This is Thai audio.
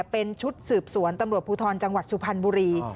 เป็นชุดสืบสวนตำรวจภูทรจังหวัดสุพรรณบุรี